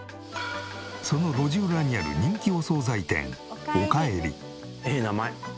その路地裏にある人気お惣菜店「ええ名前」